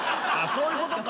そういうことか！